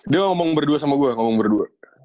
dia ngomong berdua sama gue ngomong berdua